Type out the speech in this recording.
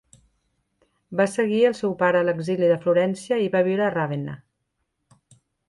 Va seguir el seu pare a l'exili de Florència i va viure a Ravenna.